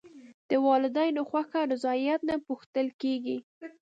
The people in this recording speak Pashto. د والدینو خوښه او رضایت نه پوښتل کېږي.